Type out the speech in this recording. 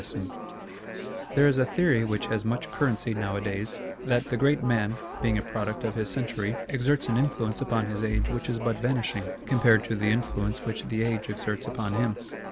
[TN]] There is a theory which has much currency nowadays, that the great man, being a product of his century, exerts an influence upon his age which is but vanishing, compared to the influence which the age exerts upon him.